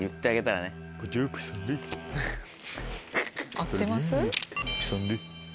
合ってます？